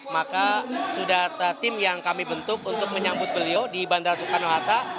maka sudah tim yang kami bentuk untuk menyambut beliau di bandara soekarno hatta